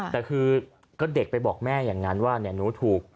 แต่คือก็เด็กไปบอกแม่อย่างนั้นว่าหนูถูก